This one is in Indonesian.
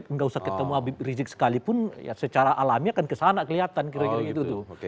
nggak usah ketemu habib rizik sekalipun ya secara alami akan kesana kelihatan kira kira gitu tuh